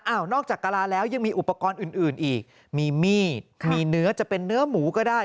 นอกจากกะลาแล้วยังมีอุปกรณ์อื่นอีกมีมีดมีเนื้อจะเป็นเนื้อหมูก็ได้